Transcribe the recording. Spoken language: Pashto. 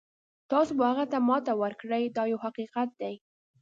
تاسو به هغه ته ماتې ورکړئ دا یو حقیقت دی.